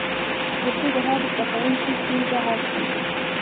تر څو د هر زده کوونکي ستونزه حل کړم.